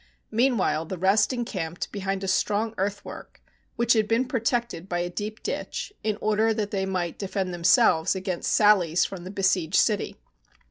Meanwhile the rest encamped behind a strong earthwork, which had been protected by a deep ditch, in order that they might defend themselves against sallies from the besieged city.